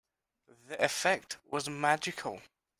The effect was magical.